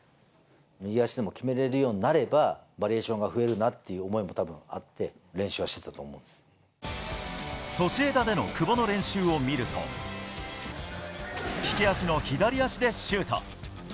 右足でも決められるようになれば、バリエーションが増えるなという思いもたぶんあって、練習はしてソシエダでの久保の練習を見ると、利き足の左足でシュート。